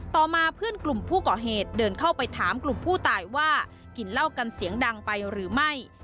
ต่อมาเพื่อนกลุ่มผู้ก่อเหตุเดินเข้าไปถามกลุ่มผู้ตายว่ากินเหล้ากันเสียงดังไปหรือไม่